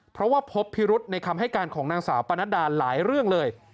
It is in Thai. เพราะว่าพบพิรุธในคำให้การของนางสาวปนัดดาหลายเรื่องเลย